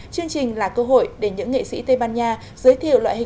chương trình là cơ hội để những nghệ sĩ tây ban nha giới thiệu loại hình